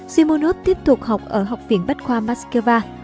một nghìn chín trăm một mươi bảy simunov tiếp tục học ở học viện bách khoa moscow